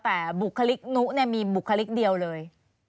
แต่บุคลิกนุมีบุคลิกเดียวเลย